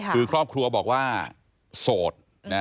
คือครอบครัวบอกว่าโสด